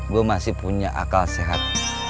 gue masih punya akal sehat